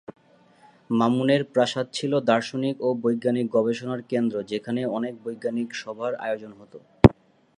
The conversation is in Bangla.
মামুনের প্রাসাদ ছিল দার্শনিক ও বৈজ্ঞানিক গবেষণার কেন্দ্র যেখানে অনেক বৈজ্ঞানিক সভার আয়োজন হত।